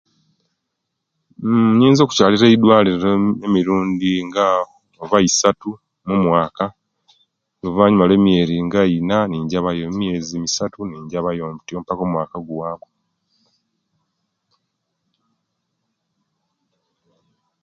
Nnn inyinza okukyalira eidwaliro emirundi nga oba isatu mumwaka luvanyuma lwe miyeri nga Ina ninjabayo emyezi nga isatu ninjabayo pakaomwaka oweguwaku